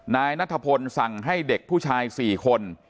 นายนัทพลสั่งให้เด็กผู้ชาย๔คน